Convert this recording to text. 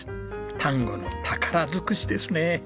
丹後の宝づくしですね。